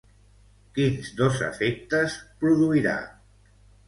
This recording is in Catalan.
Quins dos efectes produirà?